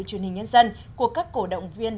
truyền hình nhân dân của các cổ động viên